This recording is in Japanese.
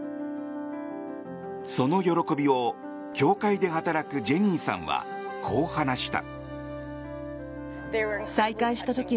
その喜びを、協会で働くジェニーさんは、こう話した。